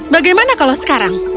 bagaimana kalau sekarang